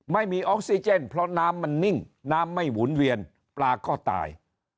ไม่มีออกซิเจนเพราะน้ำมันนิ่งน้ำไม่หมุนเวียนปลาก็ตาย